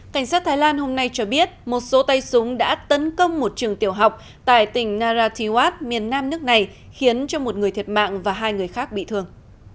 cảnh sát thái lan hôm nay cho biết một số tay súng đã tấn công một trường tiểu học tại tỉnh narathiwat miền nam nước này khiến cho một người thiệt mạng và hai người khác bị thương